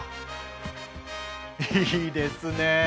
いいですね！